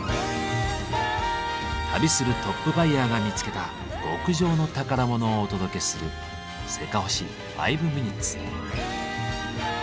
旅するトップバイヤーが見つけた極上の宝物をお届けする「せかほし５ｍｉｎ．」。